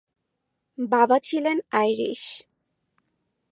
বাবা ছিলেন আইরিশ।